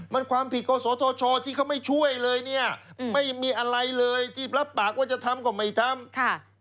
มันความผิดกศธชที่เขาไม่ช่วยเลยเนี่ยไม่มีอะไรเลยที่รับปากว่าจะทำก็ไม่ทำ